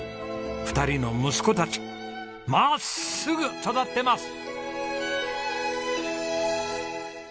２人の息子たちまっすぐ育ってます！